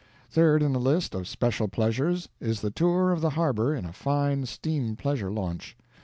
Third in the list of special pleasures is the tour of the harbor in a fine steam pleasure launch.